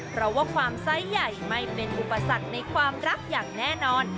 เพราะว่าความไซส์ใหญ่ไม่เป็นอุปสรรคในความรักอย่างแน่นอน